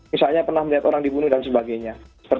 misalnya pernah melihat orang dibunuh dan sebagainya